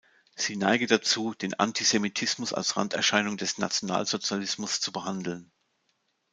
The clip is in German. Sie neige dazu, den Antisemitismus als Randerscheinung des Nationalsozialismus zu behandeln.